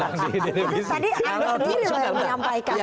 itu tadi anda sendiri yang menyampaikan